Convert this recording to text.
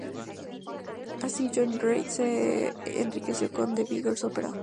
Así, John Gay se enriqueció con "The Beggar's Opera.